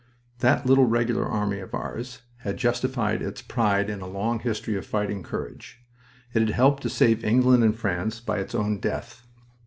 That little Regular Army of ours had justified its pride in a long history of fighting courage. It had helped to save England and France by its own death.